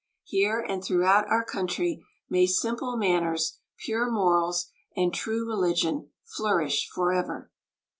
Here and throughout our country may simple manners, pure morals, and true religion flourish forever!